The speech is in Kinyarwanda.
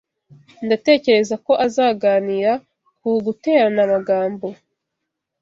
Ndatekereza ko azaganira ku guterana amagambo.